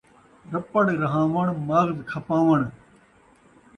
رپڑ رہاوݨ ، مغز کھپاوݨ